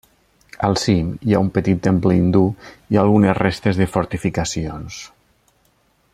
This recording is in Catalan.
Al cim hi ha un petit temple hindú i algunes restes de fortificacions.